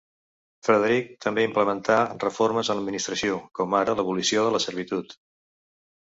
Frederic també implementà reformes en l'administració, com ara l'abolició de la servitud.